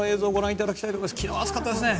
昨日、暑かったですね。